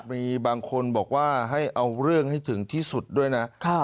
มีบางคนบอกว่าให้เอาเรื่องให้ถึงที่สุดด้วยนะ